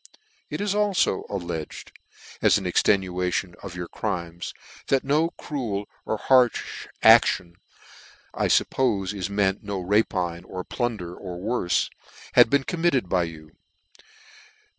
" It is alledged aifo, as an extenuation of your crimes, that no cruel or harfh adion (I fuppofe is meant no rapine or plunder, or worfe) has been committed by you.